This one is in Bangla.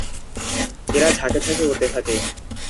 এরা ঝাঁকে ঝাঁকে উড়তে থাকে।